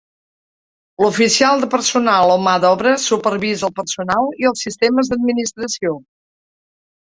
L'oficial de personal o mà d'obra supervisa el personal i els sistemes d'administració.